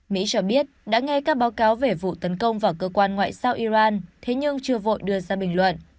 mỹ cho biết đã nghe các báo cáo về vụ tấn công vào cơ quan ngoại giao iran thế nhưng chưa vội đưa ra bình luận